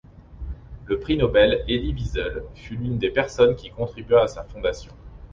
Le prix Nobel Elie Wiesel fut l'une des personnes qui contribua à sa fondation.